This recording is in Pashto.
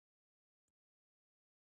د افغانستان په منظره کې آمو سیند ښکاره ده.